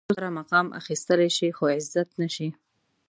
په پیسو سره مقام اخيستلی شې خو عزت نه شې.